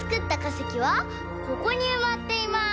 せきはここにうまっています。